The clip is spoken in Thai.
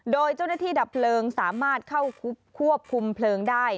โดยเจ้าหน้าที่ดับเพลิงสามารถเข้าควบคุมเพลิงได้